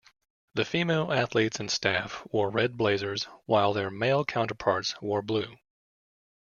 The female athletes and staff wore red blazers, while their male counterparts wore blue.